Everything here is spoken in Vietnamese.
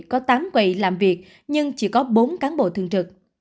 có tám quầy làm việc nhưng chỉ có bốn cán bộ thường trực